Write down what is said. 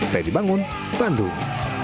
ferry bangun bandung